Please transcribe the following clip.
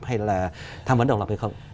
hay là tham vấn độc lập hay không